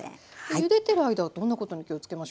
ゆでてる間はどんなことに気をつけましょうか。